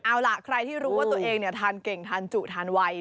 เอาล่ะใครที่รู้ว่าตัวเองทานเก่งทานจุทานไว